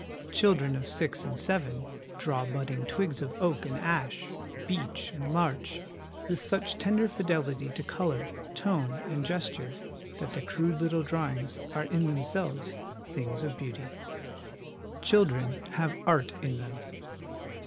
Children of six and seven draw budding twigs of oak and ash, beech and larch, with such tender fidelity to colour, tone, and gesture, that the crude little drawings are in themselves things of beauty. Children have 'Art ' in them.